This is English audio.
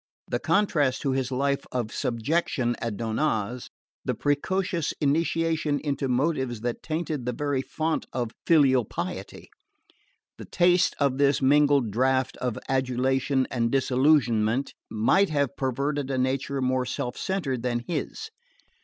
The contrast to his life of subjection at Donnaz; the precocious initiation into motives that tainted the very fount of filial piety; the taste of this mingled draught of adulation and disillusionment, might have perverted a nature more self centred than his.